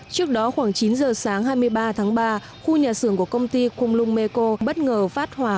trước đó khoảng chín h sáng hai mươi ba tháng ba khu nhà xưởng của công ty con lung meco bất ngờ phát hỏa